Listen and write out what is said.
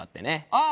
ああ！